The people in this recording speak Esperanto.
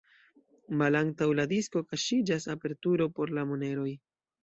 Malantaŭ la disko kaŝiĝas aperturo por la moneroj.